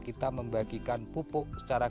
kita membagikan pupuk secara